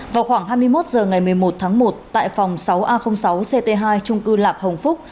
vào khoảng hai mươi một h ngày một mươi một tháng một tại phòng sáu a sáu ct hai trung cư lạc hồng phúc